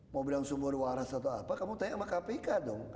mau bilang sumber waras atau apa kamu tanya sama kpk dong